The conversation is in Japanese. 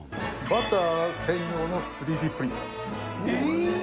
バター専用の３Ｄプリンターです。